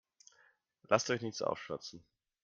Lasst euch nichts aufschwatzen.